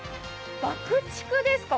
爆竹ですか？